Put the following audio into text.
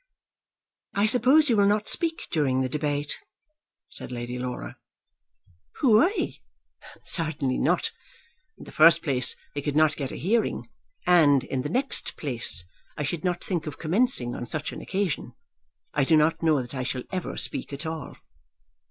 "I suppose you will not speak during the debate?" said Lady Laura. "Who? I? Certainly not. In the first place, I could not get a hearing, and, in the next place, I should not think of commencing on such an occasion. I do not know that I shall ever speak at all."